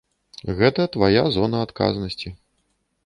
Гэта твая зона адказнасці.